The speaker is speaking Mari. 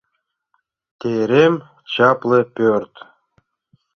Терем — чапле пӧрт.